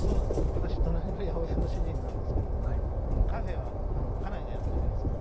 私隣の八百屋の主人なんですけどもこのカフェは家内がやっておりますので。